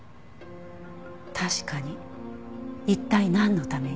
確かに一体なんのために。